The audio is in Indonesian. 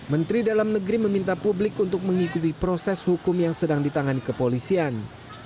menteri dalam negeri meminta publik untuk mengikuti proses hukum yang sedang ditangani kepolisian